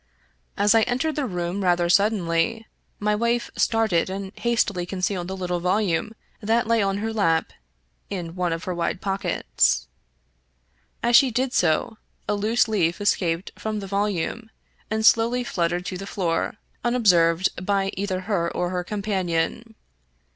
As I entered the room rather suddenly, my wife started and hastily concealed the little volume that lay on her lap in one of her wide pockets. As she did so, a loose leaf escaped from the volume and slowly fluttered to the floor unobserved by either her or her companion.